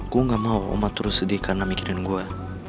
gue gak mau umat terus sedih karena mikirin gue